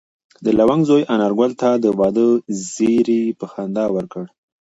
د لونګ زوی انارګل ته د واده زېری په خندا ورکړ.